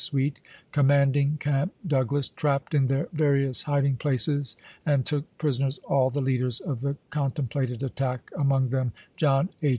Sweet, commanding Camp Douglas, trapped in their various hiding places and took prisoners all the leaders of the contemplated attack, among them John H.